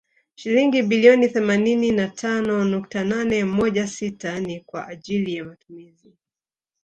Shilingi bilioni themanini na tano nukta nane moja sita ni kwa ajili ya matumizi